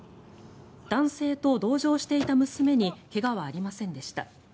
男性と、同乗していた娘に怪我はありませんでした。